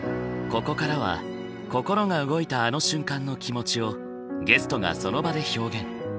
ここからは心が動いたあの瞬間の気持ちをゲストがその場で表現。